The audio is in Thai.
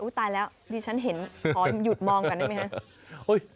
ตายแล้วดิฉันเห็นขอหยุดมองก่อนได้ไหมครับ